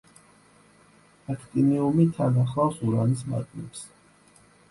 აქტინიუმი თან ახლავს ურანის მადნებს.